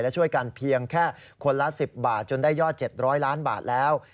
และช่วยกันเพียงแค่คนละ๑๐บาทจนได้ยอด๗๐๐ล้านบาทแล้ว